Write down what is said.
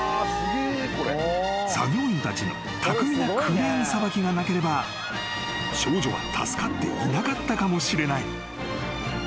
［作業員たちの巧みなクレーンさばきがなければ少女は助かっていなかったかもしれない］